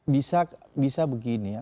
bisa begini ya